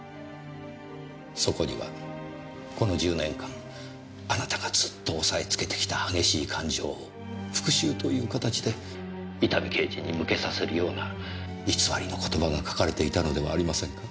そこにはこの１０年間あなたがずっと抑えつけてきた激しい感情を復讐という形で伊丹刑事に向けさせるような偽りの言葉が書かれていたのではありませんか？